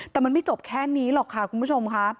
แต่มันไม่จบแค่นี้หรอกค่ะคุณผู้ชมค่ะ